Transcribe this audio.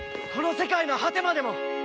この世界の果てまでも！